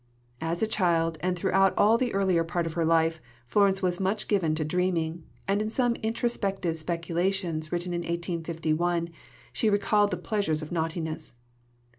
As a child, and throughout all the earlier part of her life, Florence was much given to dreaming, and in some introspective speculations written in 1851 she recalled the pleasures of naughtiness.